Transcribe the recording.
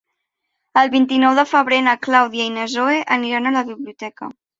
El vint-i-nou de febrer na Clàudia i na Zoè aniran a la biblioteca.